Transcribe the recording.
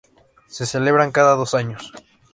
Se celebran cada dos años.